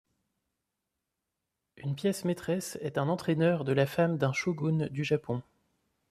Une pièce maîtresse est un entraîneur de la femme d'un Shogun du Japon.